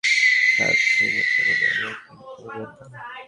সাবসিনে আপনার মূল্যবান রেটিং দিতে ভুলবেন না।